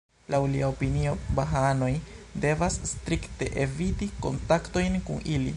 Laŭ lia opinio, bahaanoj devas strikte eviti kontaktojn kun ili.